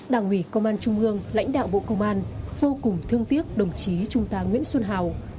đảng ủy công an trung ương lãnh đạo bộ công an vô cùng thương tiếc đồng chí trung tá nguyễn xuân hào